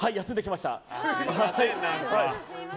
すみません。